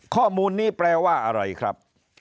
ข้อมูลนี้แปลว่าอะไรครับ